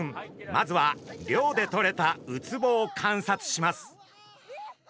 まずは漁でとれたウツボを観察します。